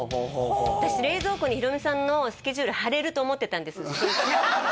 私冷蔵庫にヒロミさんのスケジュール貼れると思ってたんですあっ